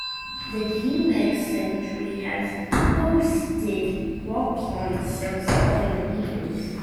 The G-Mex Centre has hosted rock concerts over the years.